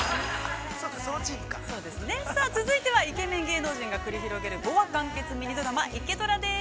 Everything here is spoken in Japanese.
◆続いては、イケメン芸能人が繰り広げる、５話完結ミニドラマ「イケドラ」です。